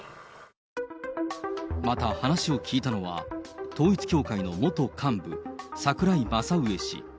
また話を聞いたのは、統一教会の元幹部、櫻井正上氏。